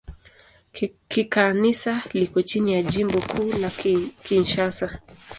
Kikanisa liko chini ya Jimbo Kuu la Kinshasa.